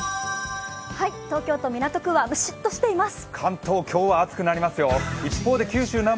東京都港区はムシッとしています。